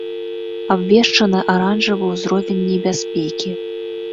Абвешчаны аранжавы ўзровень небяспекі.